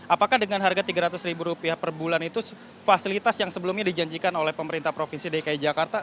apakah dengan harga rp tiga ratus ribu rupiah per bulan itu fasilitas yang sebelumnya dijanjikan oleh pemerintah provinsi dki jakarta